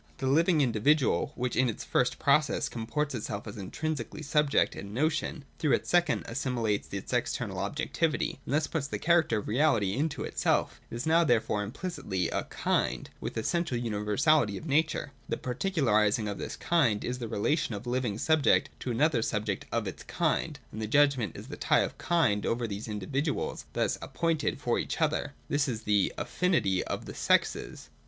220.J (3) The living individual, which in its first process comports itself as intrinsically subject and notion, through its second assimilates its external objec tivity and thus puts the character of reality into itself. It is now therefore implicitly a Kind, with essential universality of nature. The particularising of this Kind is the relation of the living subject to another subject of its Kind : and the judgment is the tie of Kind over these individuals thus appointed for each other. This is the Affinity of the Sexes.